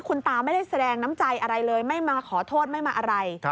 คุณตาไม่ได้แสดงน้ำใจอะไรเลยไม่มาขอโทษไม่มาอะไร